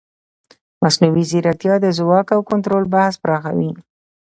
مصنوعي ځیرکتیا د ځواک او کنټرول بحث پراخوي.